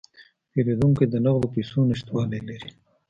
پیرودونکی د نغدو پیسو نشتوالی لري.